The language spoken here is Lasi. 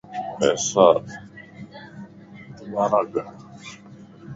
پيسادو بارا گڻ